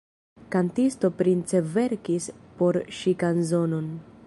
Kantisto Prince verkis por ŝi kanzonon.